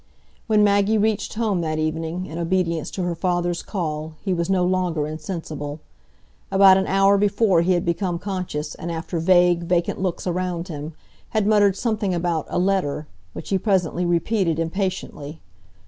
When Maggie reached home that evening, in obedience to her father's call, he was no longer insensible. About an hour before he had become conscious, and after vague, vacant looks around him, had muttered something about "a letter," which he presently repeated impatiently.